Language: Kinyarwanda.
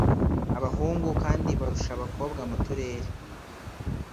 Abahungu kandi barusha abakobwa mu turere